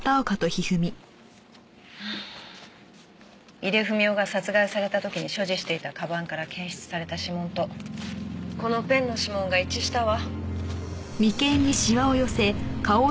井出文雄が殺害された時に所持していた鞄から検出された指紋とこのペンの指紋が一致したわ。